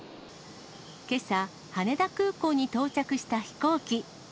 けさ、羽田空港に到着した飛行機。